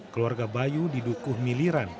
keluarga bayu didukuh miliran